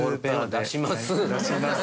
出します。